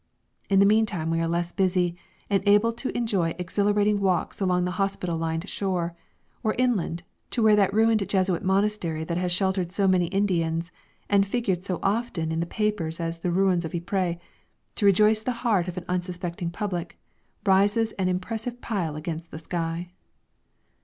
In the meantime we are less busy, and able to enjoy exhilarating walks along the hospital lined shore; or inland, to where that ruined Jesuit monastery that has sheltered so many Indians and figured so often in the papers as the "Ruins of Ypres," to rejoice the heart of an unsuspecting public, rises an impressive pile against the sky.